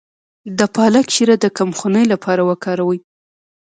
د پالک شیره د کمخونۍ لپاره وکاروئ